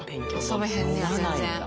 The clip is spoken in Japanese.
遊べへんねや全然。